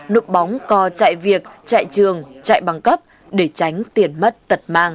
đục bóng co chạy việc chạy trường chạy băng cấp để tránh tiền mất tật mang